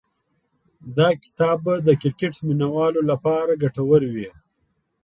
دا کتاب به د کرکټ مینه والو لپاره ګټور وي.